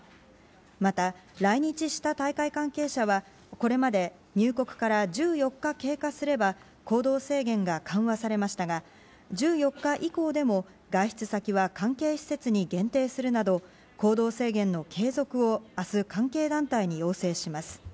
また、来日した大会関係者はこれまで入国から１４日経過すれば行動制限が緩和されましたが１４日以降でも外出先は関係施設に限定するなど行動制限の継続を明日、関係団体に要請します。